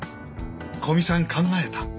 古見さん考えた。